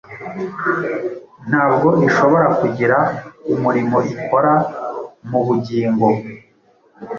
nta bwo ishobora kugira umurimo ikora mu bugingo.